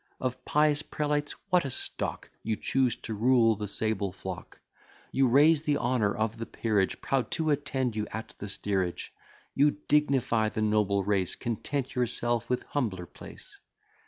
Of pious prelates what a stock You choose to rule the sable flock! You raise the honour of the peerage, Proud to attend you at the steerage. You dignify the noble race, Content yourself with humbler place.